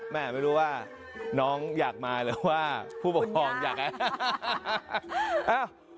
ไม่รู้ว่าน้องอยากมาหรือว่าผู้ปกครองอยากให้